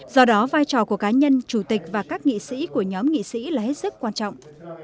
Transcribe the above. do đó vai trò của cá nhân chủ tịch và các nghị sĩ của nhóm nghị sĩ là hết sức quan trọng